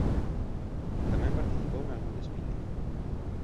Tamén participou nalgún desfile.